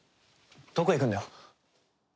どこ行くんだよ？